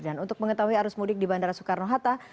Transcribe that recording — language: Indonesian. dan untuk mengetahui arus mudik di bandara soekarno hatta